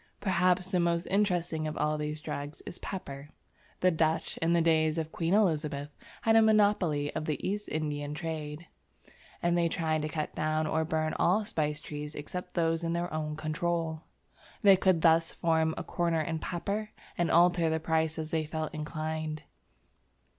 Perhaps the most interesting of all these drugs is Pepper. The Dutch, in the days of Queen Elizabeth, had a monopoly of the East Indian trade, and they tried to cut down or burn all spice trees except those in their own control. They could thus form a corner in pepper, and alter the price as they felt inclined.